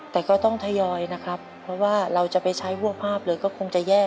แต่ก็ต้องทยอยนะครับเพราะว่าเราจะไปใช้ห่วงภาพเลยก็คงจะแย่